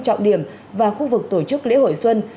trọng điểm và khu vực tổ chức lễ hội xuân